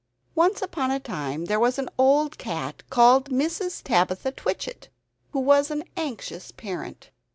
] Once upon a time there was an old cat, called Mrs. Tabitha Twitchit, who was an anxious parent.